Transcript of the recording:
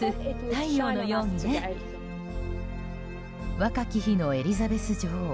若き日のエリザベス女王。